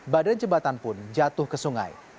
badan jembatan pun jatuh ke sungai